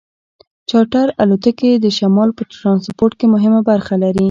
چارټر الوتکې د شمال په ټرانسپورټ کې مهمه برخه لري